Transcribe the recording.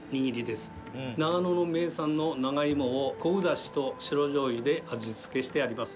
長野の名産の長芋を昆布だしと白醤油で味付けしてあります。